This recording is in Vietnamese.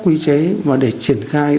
quy chế và để triển khai